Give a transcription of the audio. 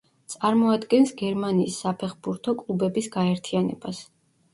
წარმოადგენს გერმანიის საფეხბურთო კლუბების გაერთიანებას.